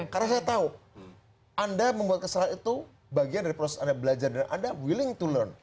karena saya tahu anda membuat kesalahan itu bagian dari proses anda belajar dan anda willing to learn